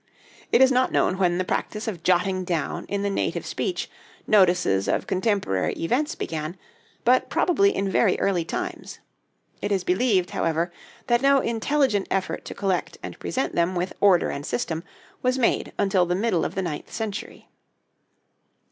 It is not known when the practice of jotting down in the native speech notices of contemporary events began, but probably in very early times. It is believed, however, that no intelligent effort to collect and present them with order and system was made until the middle of the ninth century.